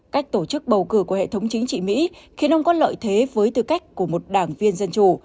cách tổ chức bầu cử của hệ thống chính trị mỹ khiến ông có lợi thế với tư cách của một đảng viên dân chủ